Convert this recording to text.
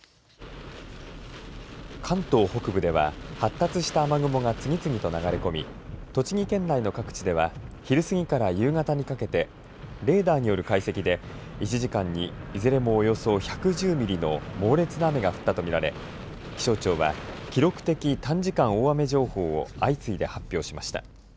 関東北部では発達した雨雲が次々と流れ込み栃木県内の各地では昼過ぎから夕方にかけてレーダーによる解析で１時間にいずれも、およそ１１０ミリの猛烈な雨が降ったと見られ気象庁は記録的短時間大雨情報を相次いで発表しました。